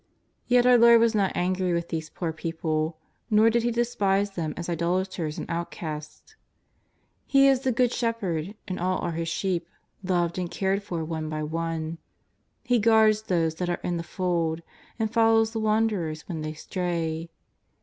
Yet our Lord was not angry with these poor people, nor did He despise them as idolaters and outcasts. He is the Good Shepherd and all are His sheep, loved and cared for one by one. He guards those that are in the fold, and follows the wanderers when they stray.